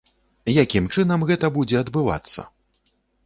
Якім чынам гэта будзе адбывацца?